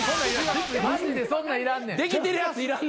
マジでそんなんいらんねん。